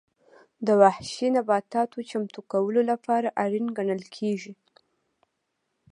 د وحشي نباتاتو چمتو کولو لپاره اړین ګڼل کېږي.